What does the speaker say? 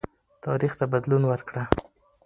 تاریخ ته بدلون ورکړه.